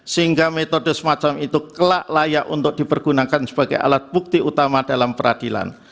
sehingga metode semacam itu kelak layak untuk dipergunakan sebagai alat bukti utama dalam peradilan